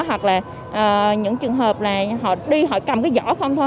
hoặc là những trường hợp là họ đi họ cầm cái giỏ không thôi